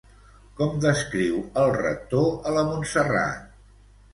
Com descriu el rector a la Montserrat?